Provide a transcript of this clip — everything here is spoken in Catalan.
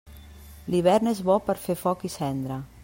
L'hivern és bo per fer foc i cendra.